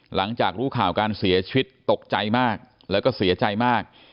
หลังจากรู้ข่าวการเสียชีวิตตกใจมากแล้วก็เสียใจมาก